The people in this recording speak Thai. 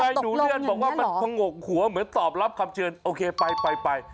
หนูเลื่อนบอกว่ามันผงกหัวเหมือนตอบรับคำเชิญโอเคไปไป